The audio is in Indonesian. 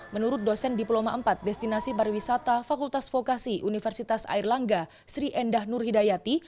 menurut dosen diploma empat destinasi pariwisata fakultas fokasi universitas air langga sri endah nur hidayati